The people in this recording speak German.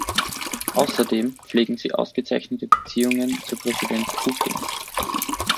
Außerdem pflegen Sie ausgezeichnete Beziehungen zu Präsident Putin.